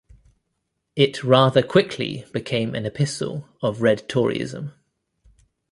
It rather quickly became an epistle of Red Toryism.